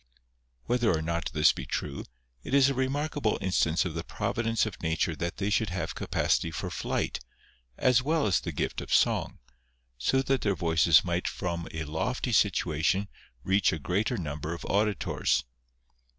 Whether or not this be true, it is a remarkable instance of the providence of nature that they should have capacity for flight, as well as the gift of song, so that their voices might from a lofty situation reach a greater number of auditors.